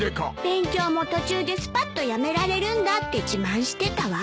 「勉強も途中でスパッとやめられるんだ」って自慢してたわ。